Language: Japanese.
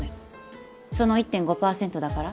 その１．５％だから。